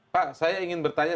pak saya ingin bertanya